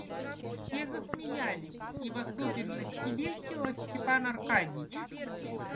Все засмеялись, и в особенности весело Степан Аркадьич.